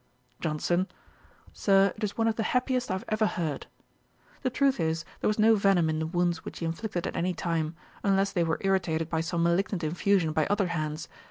JOHNSON. 'Sir, it is one of the happiest I have ever heard.' The truth is, there was no venom in the wounds which he inflicted at any time, unless they were irritated by some malignant infusion by other hands.